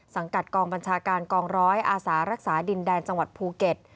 กัดกองบัญชาการกองร้อยอาสารักษาดินแดนจังหวัดภูเก็ต